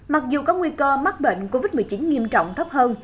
mặc dù có nguy cơ mắc bệnh covid một mươi chín nghiêm trọng thấp hơn